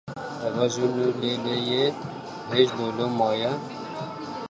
Eva ji nû lê lê ye, hêj lo lo ya meyî